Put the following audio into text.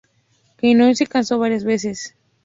Kenyon se casó varias veces.